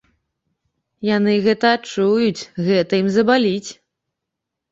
Яны гэта адчуюць, гэта ім забаліць.